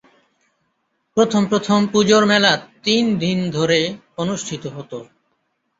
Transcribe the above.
প্রথম প্রথম পুজোর মেলা তিনদিন ধরে অনুষ্ঠিত হত।